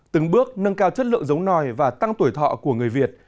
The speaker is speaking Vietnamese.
từng bước nâng cao chất lượng giống nòi và tăng tuổi thọ của người việt